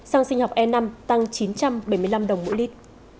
xăng sinh học e năm tăng chín trăm bảy mươi năm đồng mỗi lít